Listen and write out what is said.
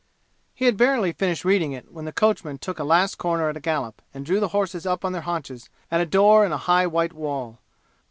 He had barely finished reading it when the coachman took a last corner at a gallop and drew the horses up on their haunches at a door in a high white wall.